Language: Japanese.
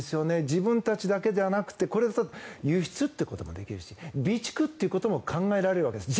自分たちだけではなくこれで輸出ということもできるし備蓄っていうことも考えられるわけです。